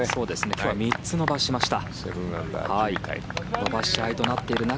今日は３つ伸ばしました。